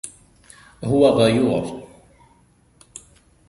هو غيور.